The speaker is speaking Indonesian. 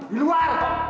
di luar pak